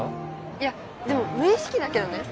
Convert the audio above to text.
いやでも無意識だけどね